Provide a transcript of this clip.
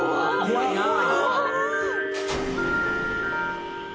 怖いなあ。